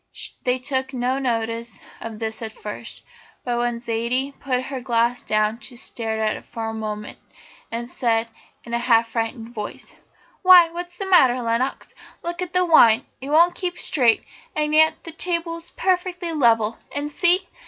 They took no notice of this at first, but when Zaidie put her glass down she stared at it for a moment, and said, in a half frightened voice: "Why, what's the matter, Lenox? look at the wine! It won't keep straight, and yet the table's perfectly level and see!